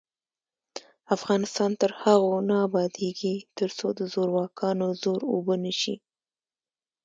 افغانستان تر هغو نه ابادیږي، ترڅو د زورواکانو زور اوبه نشي.